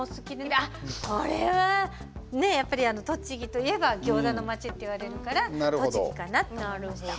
あっ、これはやっぱり栃木といえばギョーザの町っていわれるから栃木かなと思いました。